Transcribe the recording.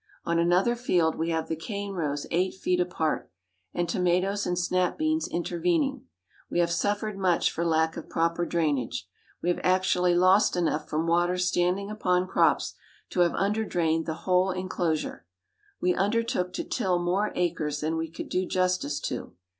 On another field we have the cane rows eight feet apart, and tomatoes and snap beans intervening. We have suffered much for lack of proper drainage. We have actually lost enough from water standing upon crops to have underdrained the whole enclosure. We undertook to till more acres than we could do justice to.